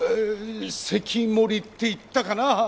関守って言ったかな。